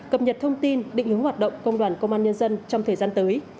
cập nhật thông tin định hướng hoạt động công đoàn công an nhân dân trong thời gian tới